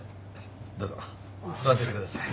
どうぞ座っててください。